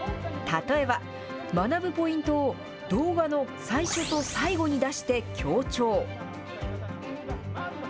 例えば、学ぶポイントを動画の最初と最後に出して強調。